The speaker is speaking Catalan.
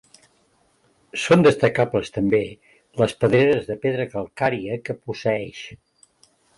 Són destacables també les pedreres de pedra calcària que posseïx.